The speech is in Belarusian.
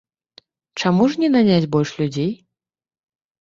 Чаму ж не наняць больш людзей?